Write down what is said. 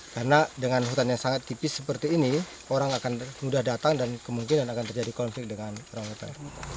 karena dengan hutan yang sangat tipis seperti ini orang akan mudah datang dan kemungkinan akan terjadi konflik dengan orang hutan